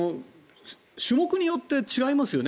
種目によって違いますよね